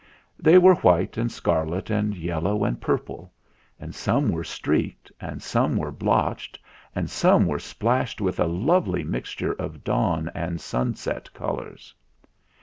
They were white and scarlet and yellow and purple; and some were streaked and some were blotched, and some were splashed with a lovely mixture of dawn and sunset colours.